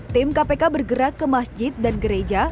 tim kpk bergerak ke masjid dan gereja